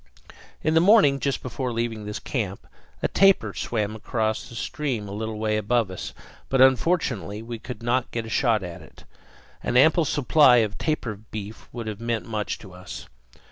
In the morning, just before leaving this camp, a tapir swam across stream a little way above us; but unfortunately we could not get a shot at it. An ample supply of tapir beef would have meant much to us.